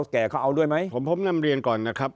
แต่เขาเอาด้วยไหมผมผมนำเรียนก่อนนะครับ